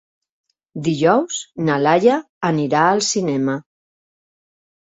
Dijous na Laia anirà al cinema.